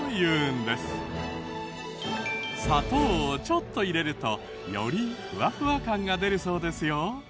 砂糖をちょっと入れるとよりフワフワ感が出るそうですよ。